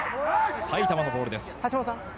埼玉のボールです。